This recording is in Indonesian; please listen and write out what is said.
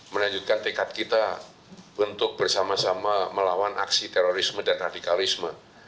melanjutkan tekad kita untuk bersama sama melawan aksi terorisme dan radikalisme